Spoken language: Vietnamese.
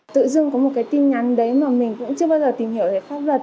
tự dưng có một cái tin nhắn đấy mà mình cũng chưa bao giờ tìm hiểu về pháp luật